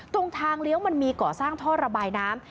ตรงทางเลี้ยวมันมีก่อสร้างท่อระบายน้ำ